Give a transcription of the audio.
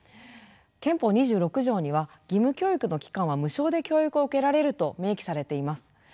憲法２６条には義務教育の期間は無償で教育を受けられると明記されています。